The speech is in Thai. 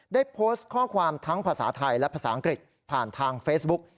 ได้โพสต์ข้อความทั้งภาษาไทยและภาษาอังกฤษผ่านทางเฟซบุ๊ก